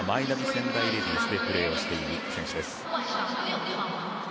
仙台レディースでプレーをしている選手です。